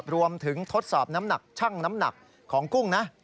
รวมถึงทดสอบช่างน้ำหนักของกุ้งนะ